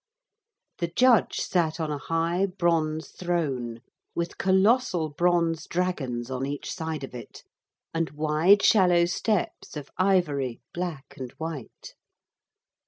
The judge sat on a high bronze throne with colossal bronze dragons on each side of it, and wide shallow steps of ivory, black and white.